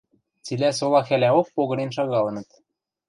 Цилӓ сола хӓлӓок погынен шагалыныт.